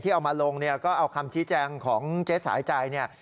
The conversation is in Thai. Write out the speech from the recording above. เอามาลงเนี่ยก็เอาคำชี้แจงของเจ๊สายใจเนี่ย